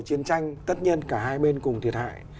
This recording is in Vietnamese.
chiến tranh tất nhiên cả hai bên cùng thiệt hại